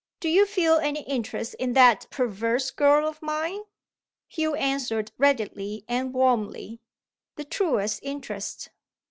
Do you feel any interest in that perverse girl of mine?" Hugh answered readily and warmly: "The truest interest!"